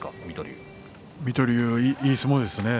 水戸龍いい相撲でしたね。